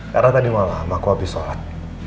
karena tadi malam aku habis sholat